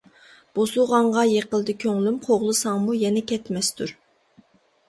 بوسۇغاڭغا يېقىلدى كۆڭلۈم، قوغلىساڭمۇ يەنە كەتمەستۇر.